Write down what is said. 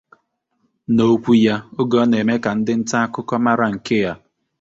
N'okwu ya oge ọ na-eme ka ndị nta akụkọ mara nke a